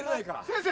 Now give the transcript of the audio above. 先生？